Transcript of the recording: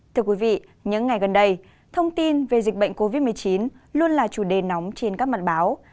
thưa quý vị những ngày gần đây thông tin về dịch bệnh covid một mươi chín luôn là chủ đề nóng trên các mặt báo